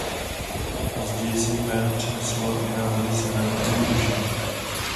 Později se jméno přeneslo i na vody severně od úžiny.